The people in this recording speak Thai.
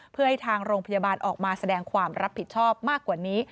เพื่อให้ทางโรงพยาบาลออกมาแสดงความรับผิดชอบมากกว่านี้